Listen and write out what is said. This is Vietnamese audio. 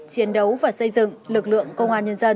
chiến đấu và xây dựng lực lượng công an nhân dân